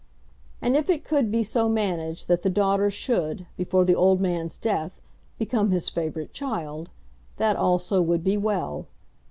And if it could be so managed that the daughter should, before the old man's death, become his favourite child, that also would be well.